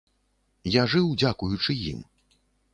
Я жыў дзякуючы ім.